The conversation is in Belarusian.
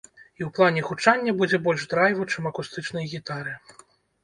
І ў плане гучання будзе больш драйву, чым акустычнай гітары.